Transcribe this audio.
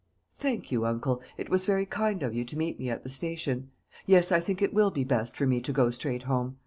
"Thank you, uncle. It was very kind of you to meet me at the station. Yes, I think it will be best for me to go straight home.